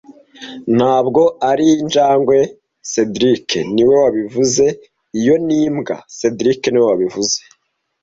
Ntabwo ari injangwe cedric niwe wabivuze Iyo ni imbwa cedric niwe wabivuze